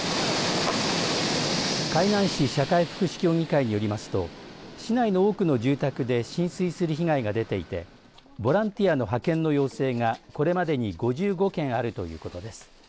海南市社会福祉協議会によりますと市内の多くの住宅で浸水する被害が出ていてボランティアの派遣の要請がこれまでに５５件あるということです。